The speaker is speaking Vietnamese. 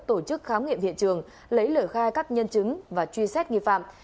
tổ chức khám nghiệm hiện trường lấy lời khai các nhân chứng và truy xét nghi phạm